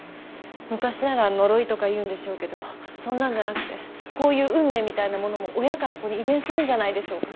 昔なら呪いとか言うんでしょうけどそんなんじゃなくてこういう運命みたいなものも親から子に遺伝するんじゃないでしょうか。